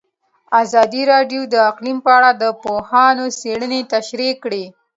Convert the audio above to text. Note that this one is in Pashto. ازادي راډیو د اقلیم په اړه د پوهانو څېړنې تشریح کړې.